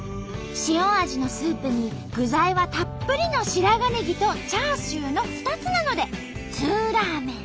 塩味のスープに具材はたっぷりの白髪ネギとチャーシューの２つなのでツーラーメン。